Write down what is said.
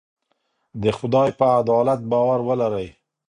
د خدای په عدالت باور ولرئ.